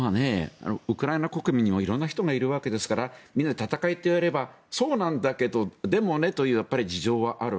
ウクライナ国民にも色んな人がいるわけですからみんなで戦えと言われればそうなんだけど、でもねという事情はある。